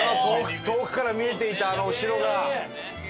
遠くから見えていたあのお城が。